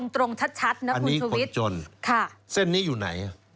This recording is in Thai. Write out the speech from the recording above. ตรงชัดนะคุณชุวิตอันนี้คนจนค่ะเส้นนี้อยู่ไหน